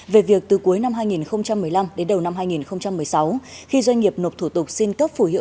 về việc từ cuối năm hai nghìn một mươi năm đến đầu năm hai nghìn một mươi sáu khi doanh nghiệp nộp thủ tục xin cấp phủ hiệu